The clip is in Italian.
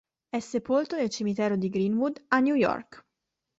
È sepolto nel cimitero di Green-Wood a New York.